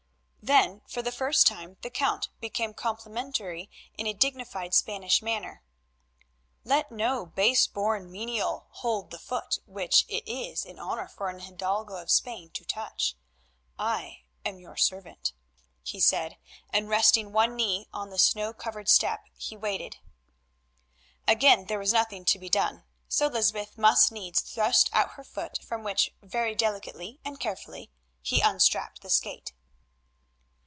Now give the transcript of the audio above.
Then for the first time the Count became complimentary in a dignified Spanish manner. "Let no base born menial hold the foot which it is an honour for an hidalgo of Spain to touch. I am your servant," he said, and resting one knee on the snow covered step he waited. Again there was nothing to be done, so Lysbeth must needs thrust out her foot from which very delicately and carefully he unstrapped the skate.